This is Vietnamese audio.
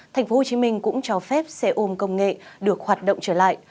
tp hcm cũng cho phép xe ôm công nghệ được hoạt động trở lại